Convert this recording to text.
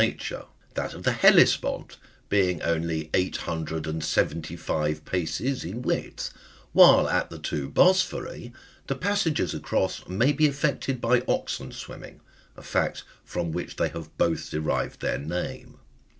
nature — that of the Hellespont/ being only eight hundred and seventy five paces in width, while at the two Bospori" the passage across maybe efi'ected byoxen^ swimming, a fact from which they have both derived their name.